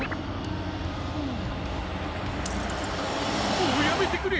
もうやめてくれ！